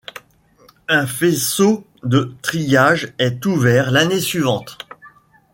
Un faisceau de triage est ouvert l'année suivante.